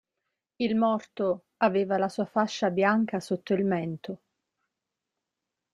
Il morto aveva la sua fascia bianca sotto il mento.